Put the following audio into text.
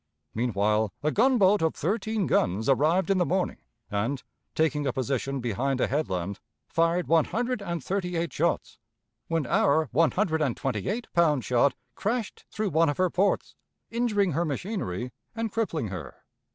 Meanwhile, a gunboat of thirteen guns arrived in the morning, and, taking a position behind a headland, fired one hundred and thirty eight shots, when our one hundred and twenty eight pound shot crashed through one of her ports, injuring her machinery and crippling her.